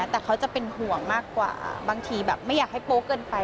แต่เขาจะเป็นห่วงมากกว่าบางทีแบบไม่อยากให้โป๊ะเกินไป